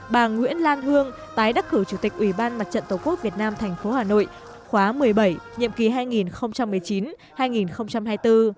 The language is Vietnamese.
bà nguyễn lan hương tái đắc cử chủ tịch ủy ban mặt trận tổ quốc việt nam tp hà nội khóa một mươi bảy nhiệm kỳ hai nghìn một mươi chín hai nghìn hai mươi bốn